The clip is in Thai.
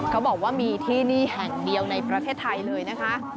เขาบอกว่ามีที่นี่แห่งเดียวในประเทศไทยเลยนะคะ